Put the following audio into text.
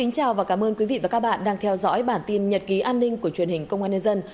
chào mừng quý vị đến với bản tin nhật ký an ninh của truyền hình công an nhân dân